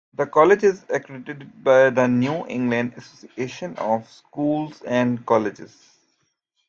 The college is accredited by the New England Association of Schools and Colleges.